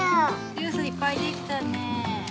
ジュースいっぱいできたねえ。